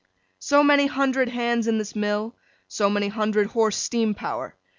So many hundred Hands in this Mill; so many hundred horse Steam Power.